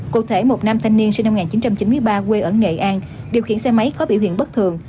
cụ thể một nam thanh niên sinh năm một nghìn chín trăm chín mươi ba quê ở nghệ an điều khiển xe máy có biểu hiện bất thường